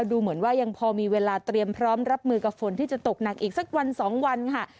ดูเหมือนว่ายังพอมีเวลาเตรียมพร้อมรับมือกับฝนที่จะตกหนักอีกสักวันสองวันค่ะ